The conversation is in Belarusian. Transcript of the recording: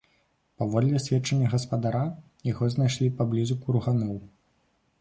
Паводле сведчання гаспадара, яго знайшлі паблізу курганоў.